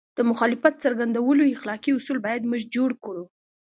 د مخالفت د څرګندولو اخلاقي اصول باید موږ جوړ کړو.